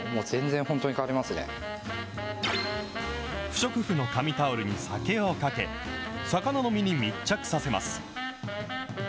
不織布の紙タオルに酒をかけ、魚の身に密着させます。